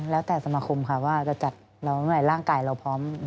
แล้วแต่สมาคมค่ะว่าจะจัดเราเมื่อไหร่างกายเราพร้อม